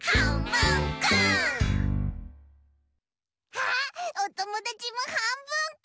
あっおともだちもはんぶんこ！